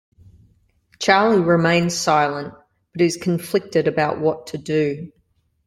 Charlie remains silent, but is conflicted about what to do.